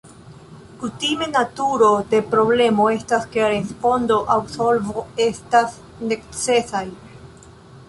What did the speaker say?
Kutime, naturo de problemo estas ke respondo aŭ solvo estas necesaj.